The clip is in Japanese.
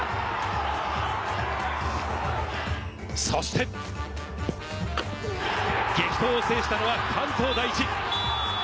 そして、激闘を制したのは関東第一。